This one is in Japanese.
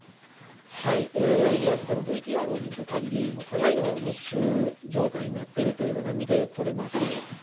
まずこのＶＴＲを見るかぎり、かなりの密集状態になっているというのが、見て取れます。